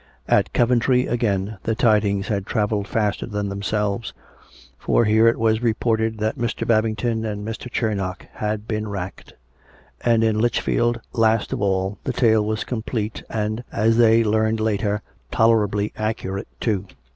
At Coventry, again, the tidings had travelled faster than themselves; for here it was re ported that Mr. Babington and Mr. Charnoc had been racked ; and in Lichfield, last of all, the tale was complete, and (as they learned later) tolerably accurate too.